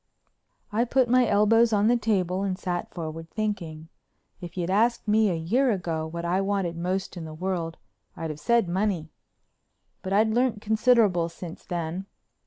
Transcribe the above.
I put my elbows on the table and sat forward thinking. If you'd asked me a year ago what I wanted most in the world I'd have said money. But I'd learnt considerable since then.